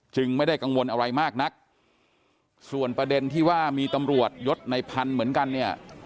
ไม่ได้กังวลอะไรมากนักส่วนประเด็นที่ว่ามีตำรวจยศในพันธุ์เหมือนกันเนี่ย